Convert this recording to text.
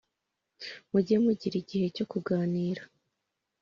mujye mugira igihe cyo kuganir